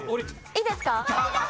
いいですか？